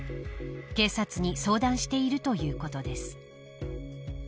警察に相談しているということです。